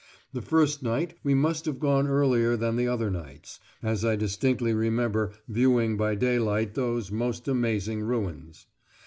The first night we must have gone earlier than the other nights, as I distinctly remember viewing by daylight those most amazing ruins.